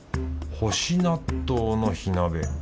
干し納豆の火鍋。